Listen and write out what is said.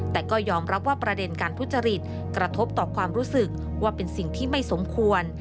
แต่ก็ยอมรับว่าประเด็นการทุจริตกระทบต่อความรู้สึกว่าเป็นสิ่งที่ไม่สมควร